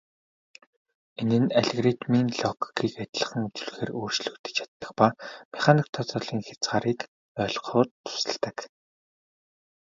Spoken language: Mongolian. Энэ нь алгоритмын логикийг адилхан үзүүлэхээр өөрчлөгдөж чаддаг ба механик тооцооллын хязгаарыг ойлгоход тусалдаг.